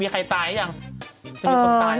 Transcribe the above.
มีใครตายไม่ได้หรือไม่ได้